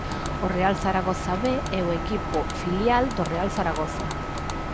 O Real Zaragoza B é o equipo filial do Real Zaragoza.